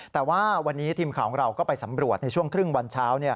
แต่ว่าวันนี้ทีมข่าวของเราก็ไปสำรวจในช่วงครึ่งวันเช้า